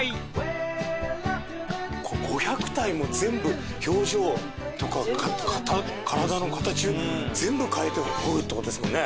全部表情とか体の形全部変えて彫るってことですもんね